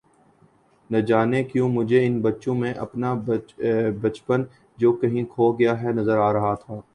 نجانے کیوں مجھے ان بچوں میں اپنا بچپن جو کہیں کھو گیا ہے نظر آ رہا تھا